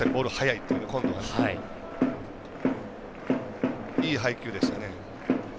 いい配球でしたね。